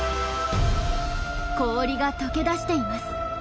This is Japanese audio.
氷が解け出しています。